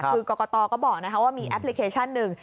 คือกรกตก็บอกว่ามีแอปพลิเคชันหนึ่ง